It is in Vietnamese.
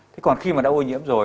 thế còn khi mà đã ô nhiễm rồi